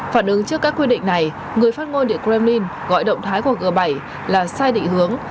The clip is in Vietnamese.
phản ứng trước các quy định này người phát ngôn điện kremlin gọi động thái của g bảy là sai định hướng